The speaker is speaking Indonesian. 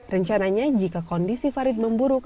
rencananya jika kondisi farid memburuk